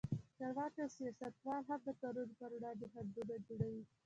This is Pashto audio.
چارواکي او سیاستوال هم د کارونو پر وړاندې خنډونه جوړوي.